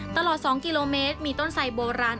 ตลอด๒กิโลเมตรมีต้นไสโบราณ